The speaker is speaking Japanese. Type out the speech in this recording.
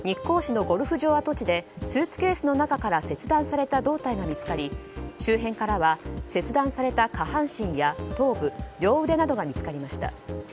光市のゴルフ場跡地でスーツケースの中から切断された胴体が見つかり周辺からは切断された下半身や頭部両腕などが見つかりました。